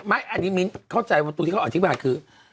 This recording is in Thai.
อันนี้มิ้นเข้าใจว่าตัวที่เขาออกที่ไหนคือ